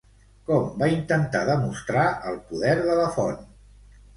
Com va intentar demostrar el poder de la font?